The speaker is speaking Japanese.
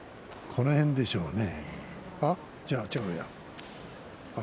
この辺でしょうね。